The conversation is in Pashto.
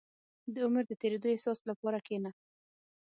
• د عمر د تېرېدو احساس لپاره کښېنه.